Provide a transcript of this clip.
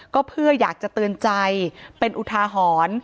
ก็เพื่ออยากจะเตือนใจเป็นอุทาหรณ์